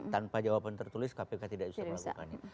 tanpa jawaban tertulis kpk tidak bisa melakukannya